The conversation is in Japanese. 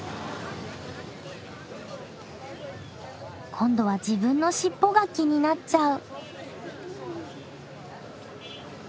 今度は自分の尻尾が気になっちゃう。